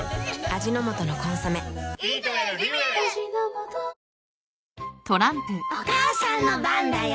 味の素の「コンソメ」お母さんの番だよ。